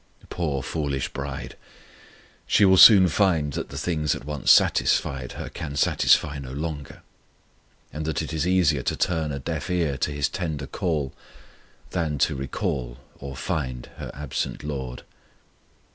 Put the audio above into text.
Poor foolish bride! she will soon find that the things that once satisfied her can satisfy no longer; and that it is easier to turn a deaf ear to His tender call than to recall or find her absent LORD.